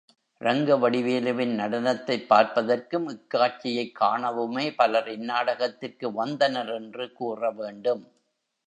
ரங்கவடிவேலுவின் நடனத்தைப் பார்ப்பதற்கும், இக்காட்சியைக் காணவுமே பலர் இந் நாடகத்திற்கு வந்தனர் என்று கூற வேண்டும்.